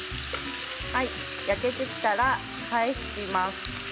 焼けてきたら返します。